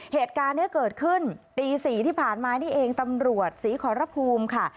เหตุการณ์นี้เกิดขึ้นตี๔ที่ผ่านมานี่เองตำรวจศรีขอรภูมิค่ะ